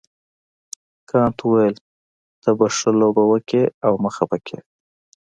کانت وویل ته به ښه لوبه وکړې او مه خفه کیږه.